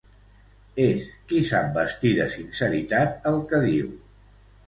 És qui sap vestir de sinceritat el que diu.